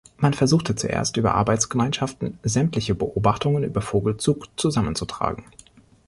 Man versuchte zuerst über Arbeitsgemeinschaften, sämtliche Beobachtungen über Vogelzug zusammenzutragen.